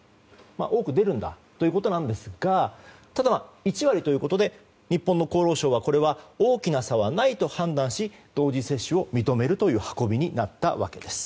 多く出るんだということなんですがただ、１割ということで日本の厚労省はこれは大きな差はないと判断し同時接種を認めるという運びになったわけです。